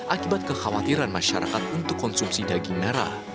akibat kekhawatiran masyarakat untuk konsumsi daging merah